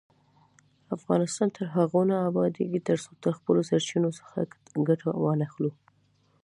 افغانستان تر هغو نه ابادیږي، ترڅو د خپلو سرچینو څخه ګټه وانخلو.